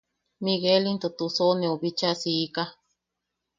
Miguel into Tusoneu bicha siika;.